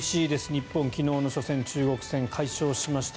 日本、昨日の初戦、中国戦快勝しました。